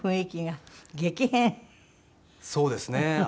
そうですね。